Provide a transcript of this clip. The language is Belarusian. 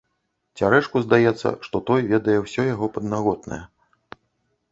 Цярэшку здаецца, што той ведае ўсё яго паднаготнае.